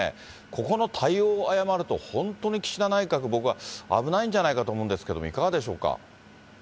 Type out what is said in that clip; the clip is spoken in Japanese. ここの対応を誤ると、本当に岸田内閣、僕は危ないんじゃないかと思うんですけれども、いかがでしょうか。